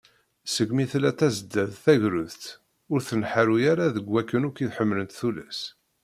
Segmi tella Tasedda d tagrudt, ur tenḥarwi ara deg wayen akk i ḥemmlent tullas.